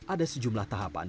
ada sejumlah tahapan